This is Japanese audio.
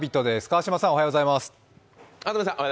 安住さん、おはようございます。